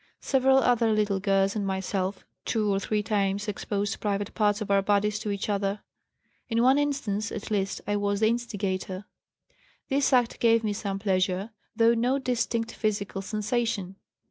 Several other little girls and myself two or three times exposed private parts of our bodies to each other. In one instance, at least, I was the instigator. This act gave me some pleasure, though no distinct physical sensation.